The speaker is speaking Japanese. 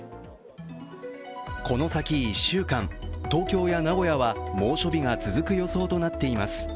この先１週間、東京や名古屋は猛暑日が続く予想となっています。